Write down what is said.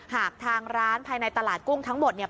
หากทางร้านภายในตลาดกุ้งทั้งหมดเนี่ย